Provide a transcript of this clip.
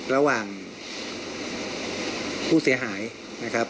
ระหว่างผู้เสียหายนะครับ